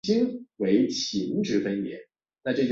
张瑞竹亦是新兴宗教山达基教知名教徒之一。